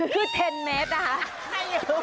คือเทนเมสนะคะ